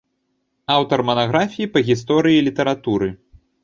Аўтар манаграфій па гісторыі літаратуры.